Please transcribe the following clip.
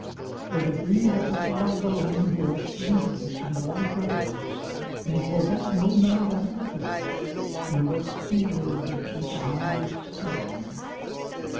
For the Breed of the Far going Who are strangers, and all brothers. May forget no more than others Who look seaward with eyes flowing.